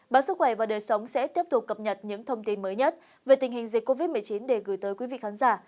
báo sức khỏe và đời sống sẽ tiếp tục cập nhật những thông tin mới nhất về tình hình dịch covid một mươi chín để gửi tới quý vị khán giả